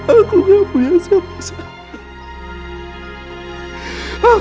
aku gak punya siapa siapa lagi